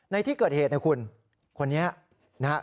ในที่เกิดเหตุนะคุณคนนี้นะฮะ